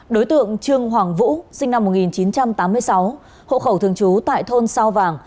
đối tượng trương hoàng vũ sinh năm một nghìn chín trăm tám mươi sáu hộ khẩu thường trú tại thôn sao vàng